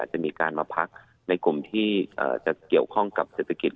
จะมีการมาพักในกลุ่มที่จะเกี่ยวข้องกับเศรษฐกิจ